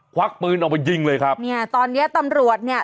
ควักปืนออกมายิงเลยครับเนี่ยตอนเนี้ยตำรวจเนี้ย